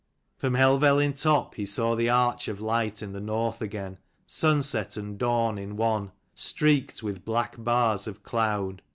From Helvellyn top he saw the arch of light in the north again, sunset and dawn in one, streaked with black bars of cloud.